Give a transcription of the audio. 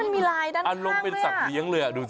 มันมีลายด้านข้างด้วยอะ